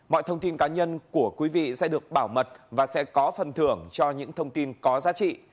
mọi thông tin cá nhân của quý vị sẽ được bảo mật và sẽ có phần thưởng cho những thông tin có giá trị